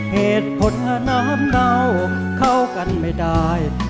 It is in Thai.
เหตุผลอนามเราเข้ากันไม่ได้